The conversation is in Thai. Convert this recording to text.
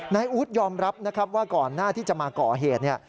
อู๊ดยอมรับนะครับว่าก่อนหน้าที่จะมาก่อเหตุเนี่ย